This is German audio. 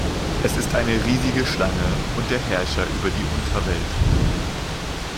Es ist eine riesige Schlange und der Herrscher über die Unterwelt.